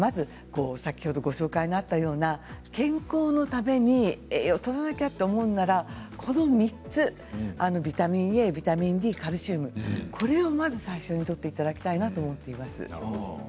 先ほど、ご紹介があったような健康のために栄養をとらなくてはいけないと思うなら、この３つビタミンＡ、ビタミンＤカルシウムこれをまず最初にいただきたいなと思っています。